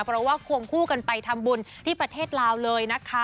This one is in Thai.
เพราะว่าควงคู่กันไปทำบุญที่ประเทศลาวเลยนะคะ